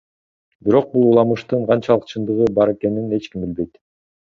Бирок бул уламыштын канчалык чындыгы бар экенин эч ким билбейт.